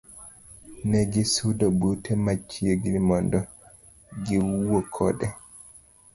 Negisudo bute machiegni mondo giwuo kode.